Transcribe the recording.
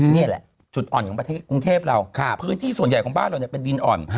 นี่แหละจุดอ่อนของประเทศกรุงเทพเราพื้นที่ส่วนใหญ่ของบ้านเราเป็นดินอ่อน